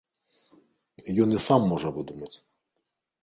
Ён і сам можа выдумаць.